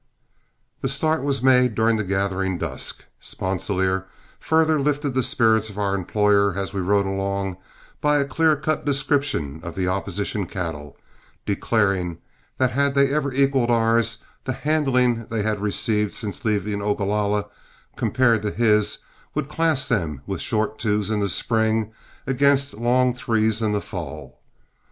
The start was made during the gathering dusk. Sponsilier further lifted the spirits of our employer, as we rode along, by a clear cut description of the opposition cattle, declaring that had they ever equaled ours, the handling they had received since leaving Ogalalla, compared to his, would class them with short twos in the spring against long threes in the fall.